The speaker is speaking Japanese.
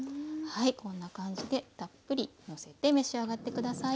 こんな感じでたっぷりのせて召し上がって下さい。